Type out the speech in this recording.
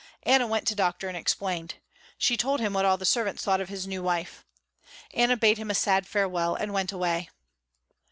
Anna went to Doctor and explained. She told him what all the servants thought of his new wife. Anna bade him a sad farewell and went away.